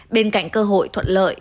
bên cạnh cơ hội thuận lợi